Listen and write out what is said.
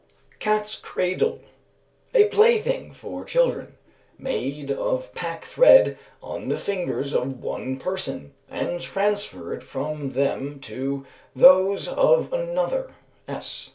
_). Cat's Cradle. A plaything for children, made of pack thread on the fingers of one person, and transferred from them to those of another (_S.